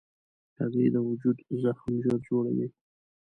هګۍ د وجود زخم ژر جوړوي.